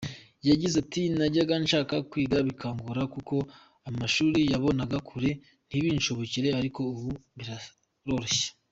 Yagize ati “Najyaga nshaka kwiga bikangora, kuko amashuri nayabonaga kure ntibinshobokere, ariko ubu biroroshye”.